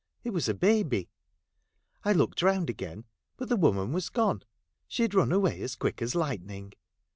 It was a baby. I looked round again ; but the woman was gone. She had run away as quick as lightning.